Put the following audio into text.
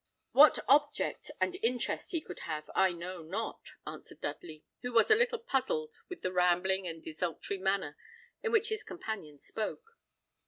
"What object, and interest he could have, I know not," answered Dudley, who was a little puzzled with the rambling and desultory manner in which his companion spoke.